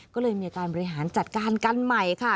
ก็เลยมีการบริหารจัดการกันใหม่ค่ะ